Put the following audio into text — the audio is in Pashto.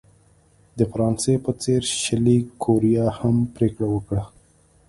د فرانسې په څېر شلي کوریا هم پرېکړه وکړه.